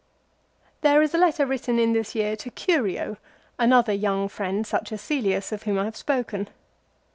l There is a letter written in this year to Curio, another young friend such as Caelius, of whom I have spoken.